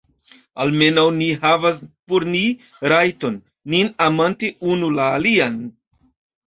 Almenaŭ ni havas por ni rajton, nin amante unu la alian.